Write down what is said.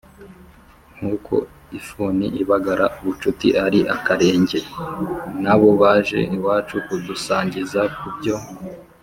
nk’uko « ifuni ibagara ubucuti ari akarenge », nabo baje iwacu kudusangiza ku byo